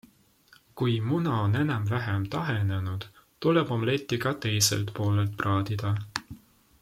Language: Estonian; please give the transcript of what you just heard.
Kui muna on enam-vähem tahenenud, tuleb omletti ka teiselt poolelt praadida.